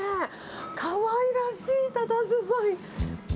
かわいらしいたたずまい。